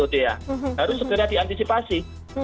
harus segera diantisipasi